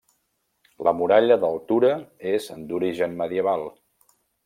La muralla d'Altura és d'origen medieval.